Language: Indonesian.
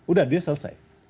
udah dia selesai